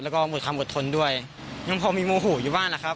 แล้วก็หมดความอดทนด้วยยังพอมีโมโหอยู่บ้างนะครับ